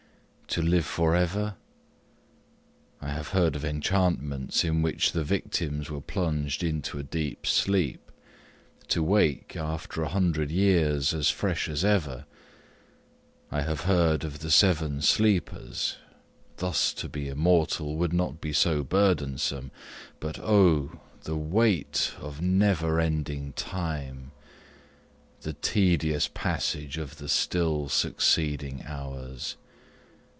to live for ever! I have heard of enchantments, in which the victims were plunged into a deep sleep, to wake, after a hundred years, as fresh as ever: I have heard of the Seven Sleepers thus to be immortal would not be so burthensome: but, oh! the weight of never ending time the tedious passage of the still succeeding hours!